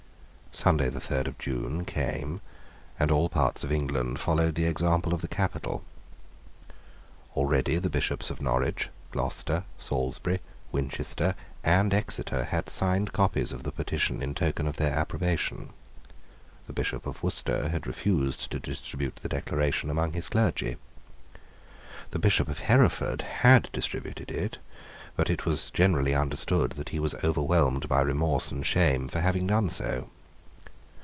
Sunday the third of June came; and all parts of England followed the example of the capital. Already the Bishops of Norwich, Gloucester, Salisbury, Winchester, and Exeter, had signed copies of the petition in token of their approbation. The Bishop of Worcester had refused to distribute the Declaration among his clergy. The Bishop of Hereford had distributed it: but it was generally understood that he was overwhelmed by remorse and shame for having done so.